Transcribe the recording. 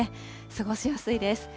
過ごしやすいです。